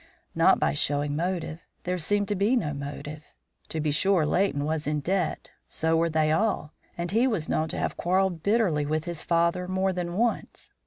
Not by showing motive. There seemed to be no motive. To be sure, Leighton was in debt, so were they all, and he was known to have quarrelled bitterly with his father more than once.